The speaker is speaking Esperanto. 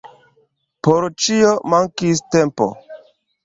Por ĉio mankis tempo.